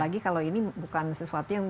lagi kalau ini bukan sesuatu yang